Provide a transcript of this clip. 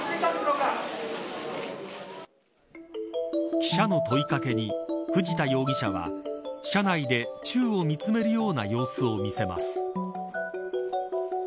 記者の問い掛けに藤田容疑者は車内で宙を見つめるような様子を見せます。